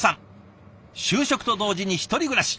就職と同時に１人暮らし。